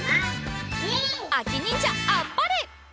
あきにんじゃあっぱれ！